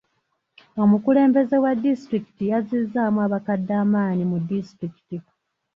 Omukulembeze wa disitulikiti yazizzaamu abakadde amaanyi mu disitulikiti.